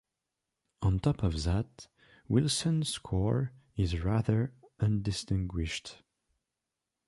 On top of that, Willson's score is rather undistinguished.